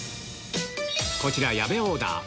こちら矢部オーダー